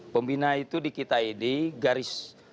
pembina itu di kita ini garis